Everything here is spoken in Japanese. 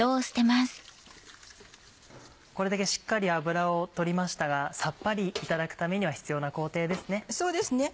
これだけしっかり脂を取りましたがさっぱりいただくためには必要な工程ですね。